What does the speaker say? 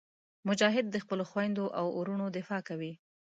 مجاهد د خپلو خویندو او وروڼو دفاع کوي.